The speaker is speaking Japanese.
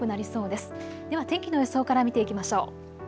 では天気の予想から見ていきましょう。